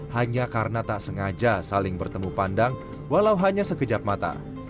hanya karena tak sengaja saling bertemu pandang walau hanya sekejap mata